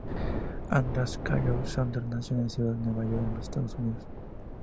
András Kállay-Saunders nació en la ciudad de Nueva York, en los Estados Unidos.